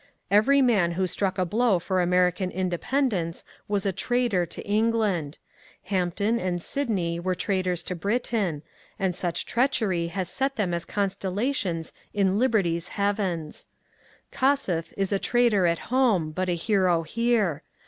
Every man who struck a blow for American Independence was a traitor to England ; Hamp den and Sidney were traitors to Britain, — and such treachery has set them as constellations in Liberty's Heavens. Kossuili is a traitor at home, but a hero here.